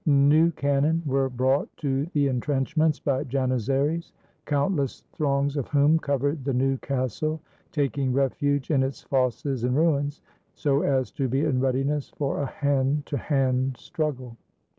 New cannon were brought to the intrenchments by Janizaries, countless throngs of whom covered the new castle, taking refuge in its fosses and ruins, so as to be in readiness for a hand to hand struggle.